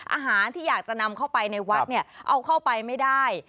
อาหารที่อยากจะนำเข้าไปในวัดเนี่ยเอาเข้าไปไม่ได้